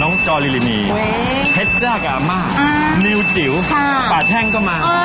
น้องจอลิลินีเฮ็ดจ้ากอาม่านิวจิ๋วป่าแท่งก็มา